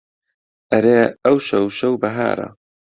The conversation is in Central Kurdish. ئەرێ ئەوشەو شەو بەهارە